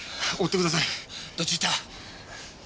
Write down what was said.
どっち行った？